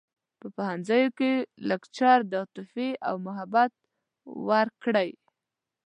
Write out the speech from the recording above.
په پوهنځیوکې لکچر د عاطفې او محبت ورکړی